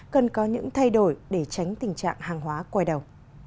cần có những thay đổi để tránh tình trạng hàng hóa quay đầu